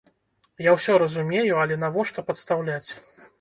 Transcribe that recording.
Я ўсё разумею, але навошта падстаўляць!